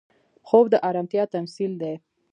خوب د ارامتیا تمثیل دی